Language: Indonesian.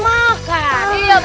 iya lumah kan